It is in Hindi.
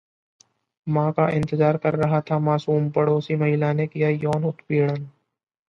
मां का इंतजार कर रहा था मासूम, पड़ोसी महिला ने किया यौन उत्पीड़न